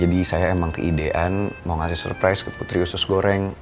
jadi saya emang keidean mau ngasih surprise ke putri ustaz goreng